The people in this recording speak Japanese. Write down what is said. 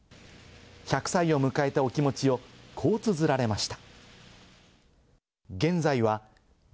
１００歳を迎えたお気持ちをこう綴られました。